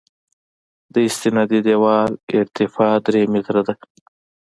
د استنادي دیوال ارتفاع درې متره ده